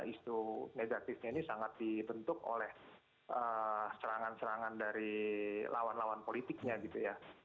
isu negatifnya ini sangat dibentuk oleh serangan serangan dari lawan lawan politiknya gitu ya